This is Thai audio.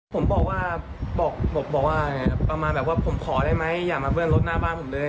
ผมบอกว่าประมาณแบบว่าผมขอได้ไหมอย่ามาเบิ้ลรถหน้าบ้านผมเลย